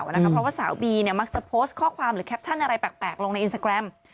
เพราะว่าสาวบีมักจะโพสต์ข้อความหรือแคปชั่นอะไรแปลกลงในอินสตาแกรม